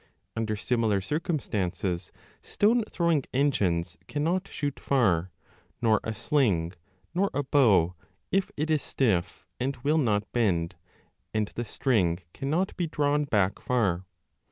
Under similar circumstances stone throwing engines cannot shoot far, nor a sling, nor 15 a bow, if it is stiff and will not bend, and the string cannot be drawn back far.